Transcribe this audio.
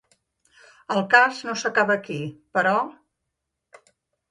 El cas no s’acaba aquí, però.